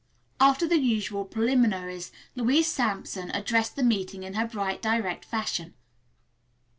After the usual preliminaries, Louise Sampson addressed the meeting in her bright direct fashion.